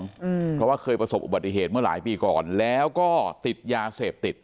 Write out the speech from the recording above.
เพราะว่าเคยประสบอุบัติเหตุเมื่อหลายปีก่อนแล้วก็ติดยาเสพติด